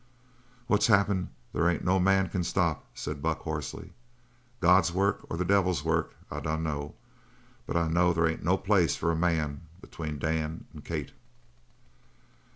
"What's happened there ain't no man can stop," said Buck hoarsely. "God's work or devil's work I dunno but I know there ain't no place for a man between Dan and Kate."